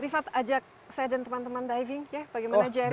privat ajak saya dan teman teman diving ya bagaimana jerry